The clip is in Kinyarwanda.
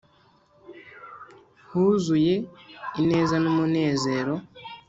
Huzuye ineza n'umunezero,